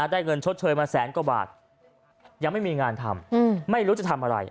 ได้เงินชดเชยมาแสนกว่าบาทยังไม่มีงานทำไม่รู้จะทำอะไร